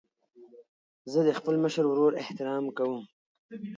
زه د خپل مشر ورور احترام کوم.